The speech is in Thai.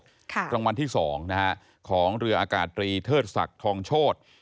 รางวัลที่สองนะฮะของเรืออากาศตรีเทิดศักดิ์ทองโชธ